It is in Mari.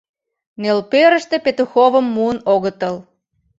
Нӧлперыште Петуховым муын огытыл.